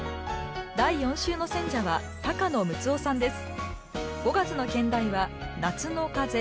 第４週の選者は高野ムツオさんです。